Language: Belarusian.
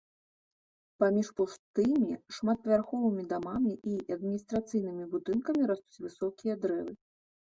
Паміж пустымі шматпавярховымі дамамі і адміністрацыйнымі будынкамі растуць высокія дрэвы.